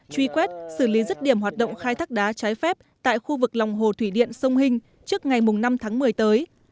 truy quét xử lý rứt điểm hoạt động khai thác đá trái phép tại khu vực lòng hồ thủy điện sông hình trước ngày năm tháng một mươi tới